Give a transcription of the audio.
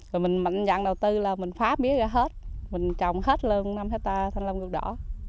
rồi mình nhận đầu tư là mình phá mía ra hết trồng hết lên năm hectare thanh long ruột đỏ